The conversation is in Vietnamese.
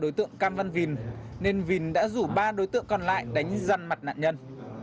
đối tượng cam văn vìn nên vìn đã rủ ba đối tượng còn lại đánh răn mặt nạn nhân